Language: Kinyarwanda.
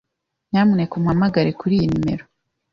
Nyamuneka umpamagare kuri iyi nimero.